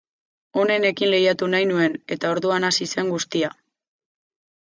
Onenekin lehiatu nahi nuen, eta orduan hasi zen guztia.